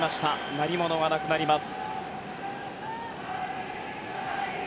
鳴り物はなくなります。